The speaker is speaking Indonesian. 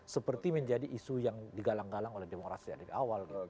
seperti menjadi isu yang digalang galang oleh demokrasi dari awal